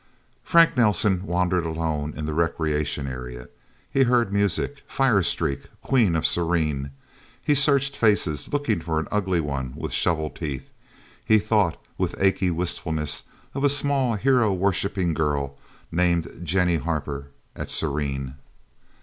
Frank Nelsen wandered alone in the recreation area. He heard music Fire Streak, Queen of Serene... He searched faces, looking for an ugly one with shovel teeth. He thought, with an achy wistfulness, of a small hero worshipping girl named Jennie Harper, at Serene.